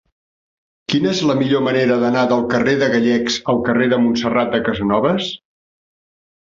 Quina és la millor manera d'anar del carrer de Gallecs al carrer de Montserrat de Casanovas?